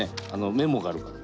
メモがあるから。